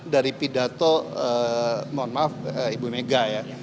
dari pidato mohon maaf ibu mega ya